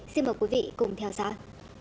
xin mời quý vị cùng theo dõi